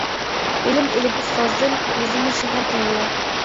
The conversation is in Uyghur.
بىلىم ئېلىپ ئۇستازدىن، يېزىنى شەھەر قىلىڭلار.